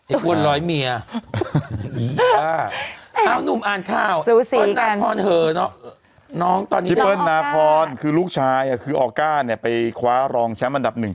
อ้วนร้อยเมียเอานุ่มอ่านข่าวตอนนี้พี่เปิ้ลนาพรคือลูกชายคือออก้าเนี่ยไปคว้ารองแชมป์อันดับหนึ่ง